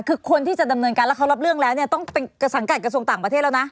คือคนที่จะดำเนินการแล้วเขารับเรื่องแล้วเนี่ยต้องเป็นสังกัดกระทรวงต่างประเทศแล้วนะ